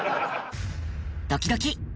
ドキドキ。